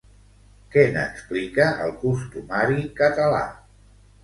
Què n'explica el costumari català?